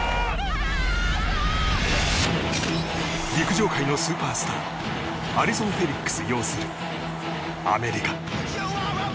陸上界のスーパースターアリソン・フェリックス擁するアメリカ。